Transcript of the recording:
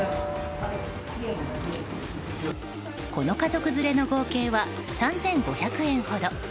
この家族連れの合計は３５００円ほど。